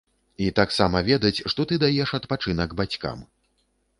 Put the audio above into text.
І таксама ведаць, што ты даеш адпачынак бацькам.